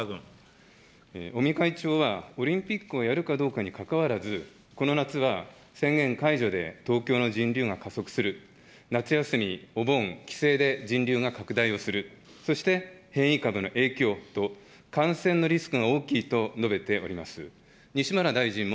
尾身会長は、オリンピックをやるかどうかにかかわらず、この夏は宣言解除で東京の人流が加速する、夏休み、お盆、帰省で人流が拡大をする、そして変異株の影響等、感染のリスクが大きいと述べております。